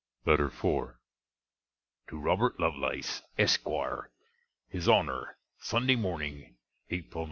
LETTER IV TO ROBERT LOVELACE, ESQUIER, HIS HONNER SUNDAY MORNING, APRIL 9.